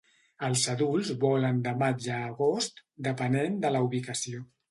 Els adults volen de maig a agost, depenent de la ubicació.